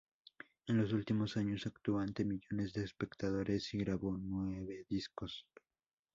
En los últimos años actuó ante millones de espectadores y grabó nueve discos.